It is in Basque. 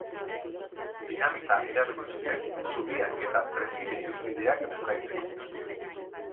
Dinamita erabili zuten zubiak eta trenbide ibilbideak desgaitzeko.